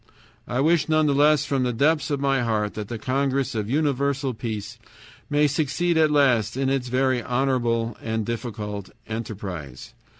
"I wish none the less from the depths of my heart that the Congress of Universal Peace may succeed at last in its very honorable and difficult enterprise.